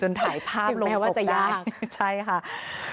จนถ่ายภาพลงศพได้ใช่ค่ะคือแปลว่าจะยาก